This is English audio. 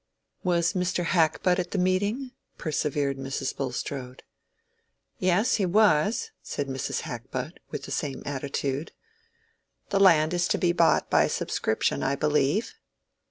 "Was Mr. Hackbutt at the meeting?" persevered Mrs. Bulstrode. "Yes, he was," said Mrs. Hackbutt, with the same attitude. "The land is to be bought by subscription, I believe."